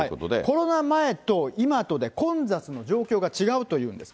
コロナ前と今とで混雑の状況が違うというんです。